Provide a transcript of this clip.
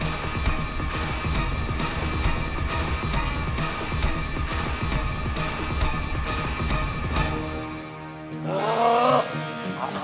alhamdulillah ya allah